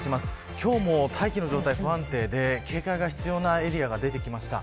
今日も大気の状態が不安定で警戒が必要なエリアが出てきました。